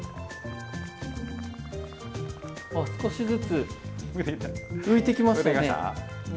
あっ少しずつ浮いてきましたね。